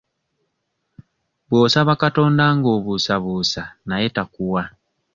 Bw'osaba Katonda nga obuusabuusa naye takuwa.